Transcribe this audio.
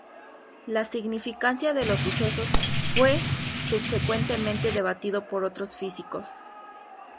La significancia de los sucesos fue subsecuentemente debatido por otros físicos.